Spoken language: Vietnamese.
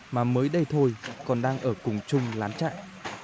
mà mới đây thôi còn đang ở cùng chung lán trại